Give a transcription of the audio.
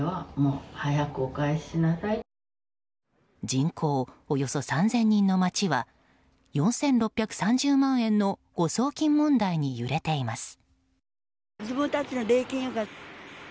人口およそ３０００人の町は４６３０万円の誤送金問題に揺れています。